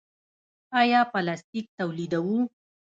آیا پلاستیک تولیدوو؟